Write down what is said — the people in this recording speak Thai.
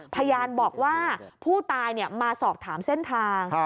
พยานบอกว่าผู้ตายมาสอบถามเส้นทาง